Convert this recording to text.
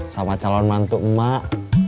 sama calon mantuk mak